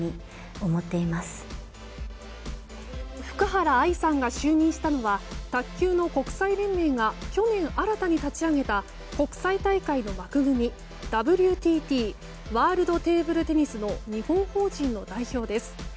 福原愛さんが就任したのは卓球の国際連盟が去年新たに立ち上げた国際大会の枠組みＷＴＴ・ワールドテーブルテニスの日本法人の代表です。